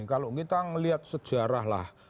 kalau kita melihat sejarah lah